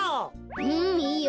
うんいいよ。